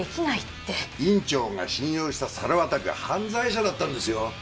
院長が信用した猿渡は犯罪者だったんですよ！